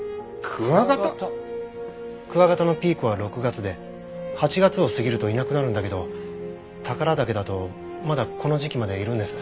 クワガタのピークは６月で８月を過ぎるといなくなるんだけど宝良岳だとまだこの時期までいるんです。